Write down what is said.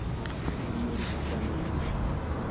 μουρμούρισε τρέμοντας.